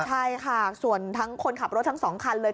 ใช่ค่ะส่วนทั้งคนขับรถทั้ง๒คันเลย